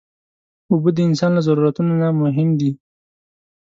اوبه د انسان له ضرورتونو نه مهم دي.